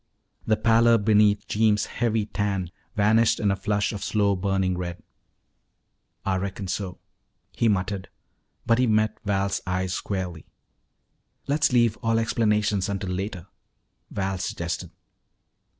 The pallor beneath Jeems' heavy tan vanished in a flush of slow burning red. "Ah reckon so," he muttered, but he met Val's eyes squarely. "Let's leave all explanations until later," Val suggested.